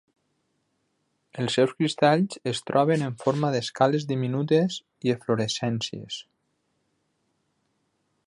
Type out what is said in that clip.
Els seus cristalls es troben en forma d'escales diminutes i eflorescències.